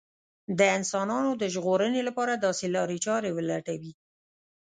د انسانانو د ژغورنې لپاره داسې لارې چارې ولټوي